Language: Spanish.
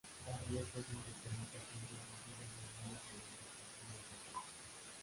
Arrieta es un futbolista que hizo sus ligas menores en el Deportivo Saprissa.